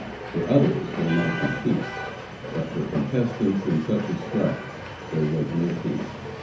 For others there might be peace, but for contestants in such a strife there was no peace.